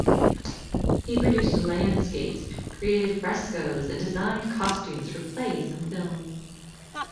He produced landscapes, created frescoes and designed costumes for plays and films.